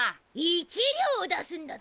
一両出すんだゾ！